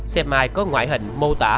xem ai có ngoại hình mô tả